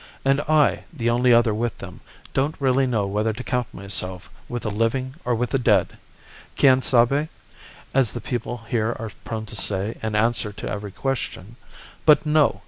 And I, the only other with them, don't really know whether to count myself with the living or with the dead. 'Quien sabe?' as the people here are prone to say in answer to every question. But no!